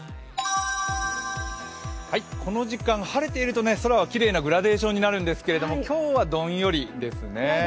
この時間晴れていると空はきれいなグラデーションになるんですけど今日はどんよりですね。